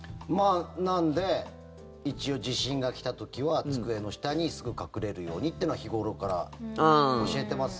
なので一応、地震が来た時は机の下にすぐ隠れるようにってのは日頃から教えてます。